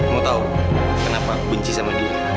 mau tau kenapa aku benci sama dia